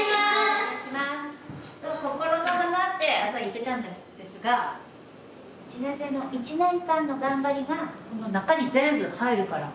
心の花って朝言ってたんですが１年生の１年間の頑張りがこの中に全部入るから。